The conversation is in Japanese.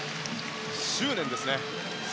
執念ですね。